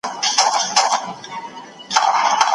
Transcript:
چي په خوب کي او په ویښه مي لیدله